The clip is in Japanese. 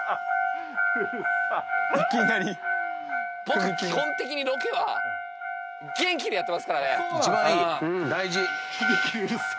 僕基本的にロケは元気でやってますからね。